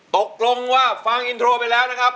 ตกลงว่าฟังอินโทรไปแล้วนะครับ